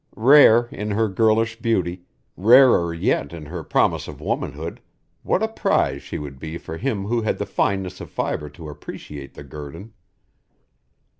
Rare in her girlish beauty, rarer yet in her promise of womanhood, what a prize she would be for him who had the fineness of fiber to appreciate the guerdon!